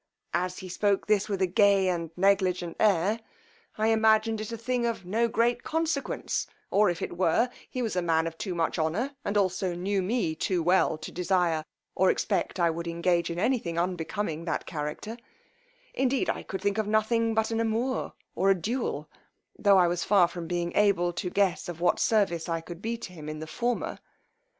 As he spoke this with a gay and negligent air, I imagined it a thing of no great consequence, or if it were, he was a man of too much honour, and also knew me too well to desire or expect I would engage in any thing unbecoming that character: indeed I could think of nothing but an amour or a duel, tho' I was far from being able to guess of what service I could be to him in the former.